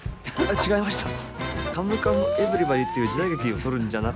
違いましたね。